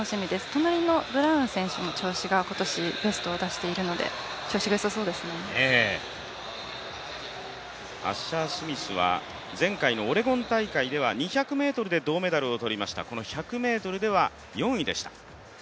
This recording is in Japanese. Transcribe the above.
隣のブラウン選手も今年ベストを出しているので、アッシャースミスは前回のオレゴン大会では２００ｍで銅メダルをとりました１００ｍでは４位でした。